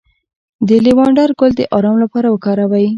د لیوانډر ګل د ارام لپاره وکاروئ